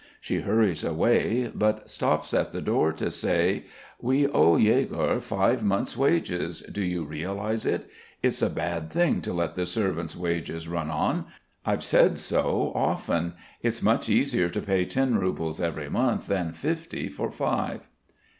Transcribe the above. She hurries away, but stops at the door to say: "We owe Yegor five months' wages. Do you realise it? It's a bad thing to let the servants' wages run on. I've said so often. It's much easier to pay ten roubles every month than fifty for five!"